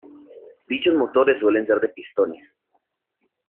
Dichos motores suelen ser de pistones.